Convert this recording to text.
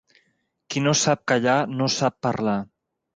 Qui no sap callar, no sap parlar.